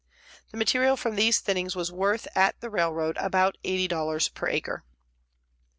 The material from these thinnings was worth at the railroad about $80 per acre."